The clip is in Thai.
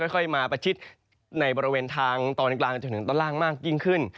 ค่อยมาประชิดในบริเวณทางตอนกลางจนถึงตอนล่างมากยิ่งขึ้น